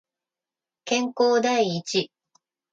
健康第一